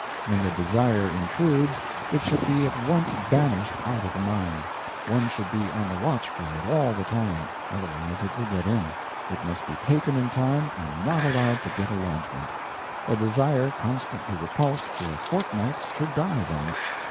When the desire intrudes, it should be at once banished out of the mind. One should be on the watch for it all the time otherwise it will get in. It must be taken in time and not allowed to get a lodgment. A desire constantly repulsed for a fortnight should die, then.